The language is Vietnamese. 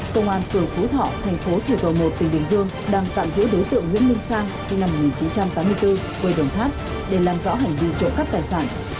công an phường phú thọ thành phố thủ dầu một tỉnh bình dương đang tạm giữ đối tượng nguyễn minh sang sinh năm một nghìn chín trăm tám mươi bốn quê đồng tháp để làm rõ hành vi trộm cắp tài sản